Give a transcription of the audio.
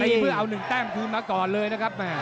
เพื่อเอา๑แต้มคืนมาก่อนเลยนะครับ